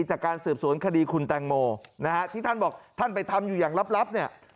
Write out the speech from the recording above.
จากการสืบสวนคดีคุณแตงโมนะฮะที่ท่านบอกท่านไปทำอยู่อย่างลับเนี่ย